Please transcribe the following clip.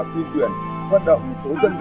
tuyên truyền hoạt động số dân